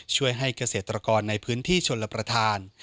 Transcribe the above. ช่วยให้เกษตรกรในพื้นที่ชนรับประทาน